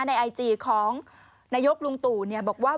ในไอจีของนายกลุงตู่บอกว่า